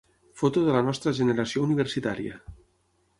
Foto de la nostra generació universitària.